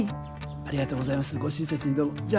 ありがとうございますご親切にどうもじゃあ。